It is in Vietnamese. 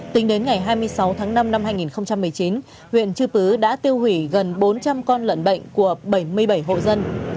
tính đến ngày hai mươi sáu tháng năm năm hai nghìn một mươi chín huyện chư pứ đã tiêu hủy gần bốn trăm linh con lợn bệnh của bảy mươi bảy hộ dân